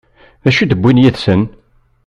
D acu i d-wwin yid-sen?